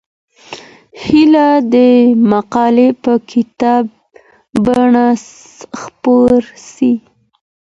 هيله ده مقالې په کتابي بڼه خپرې سي.